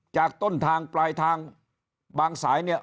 จากต้นทางปลายทางบางสายเนี่ย